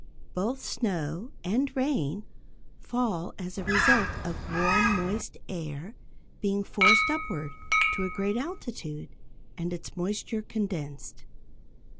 Both snow and rain fall as a result of warm moist air being forced upward to a great altitude, and its moisture condensed.